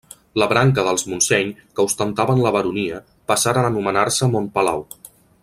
La branca dels Montseny que ostentaven la baronia, passaren a anomenar-se Montpalau.